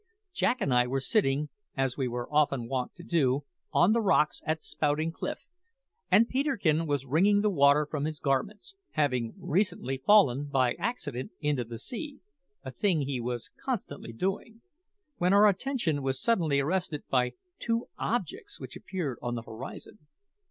Jack and I were sitting, as we were often wont to do, on the rocks at Spouting Cliff, and Peterkin was wringing the water from his garments, having recently fallen by accident into the sea a thing he was constantly doing when our attention was suddenly arrested by two objects which appeared on the horizon.